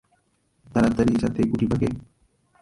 তাড়াতাড়ি যাতে গুটি পাকে?